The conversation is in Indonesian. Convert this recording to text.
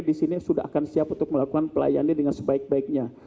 di sini sudah akan siap untuk melakukan pelayani dengan sebaik baiknya